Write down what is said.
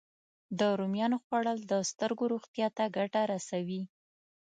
د رومیانو خوړل د سترګو روغتیا ته ګټه رسوي